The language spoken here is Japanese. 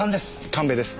神戸です。